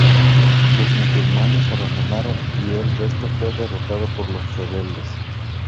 Los musulmanes abandonaron y el resto fue derrotado por los rebeldes.